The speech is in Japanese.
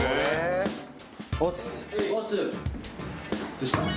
どうしたの？